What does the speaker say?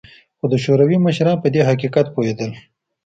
خو د شوروي مشران په دې حقیقت پوهېدل